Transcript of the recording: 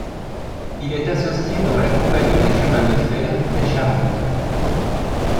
Il est associé dans la Compagnie des chemins de fer des Charentes.